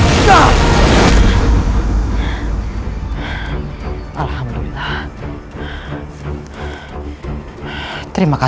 ini lalu apa yang akan terjadi